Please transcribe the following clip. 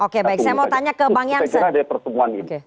oke baik saya mau tanya ke bang jansen